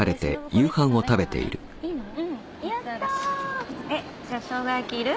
やった。じゃあしょうが焼きいる？